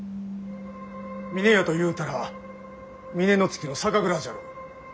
峰屋とゆうたら峰乃月の酒蔵じゃろう？